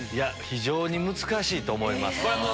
非常に難しいと思います。